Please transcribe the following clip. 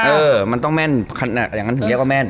เอ่อมันต้องแม่นอย่างนั้นถือให้แม่น